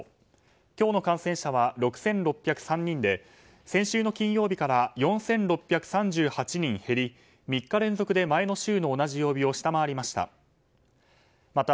今日の感染者は６６０３人で先週の金曜日から４６３８人減り３日連続で前の週の同じ曜日を下回りました。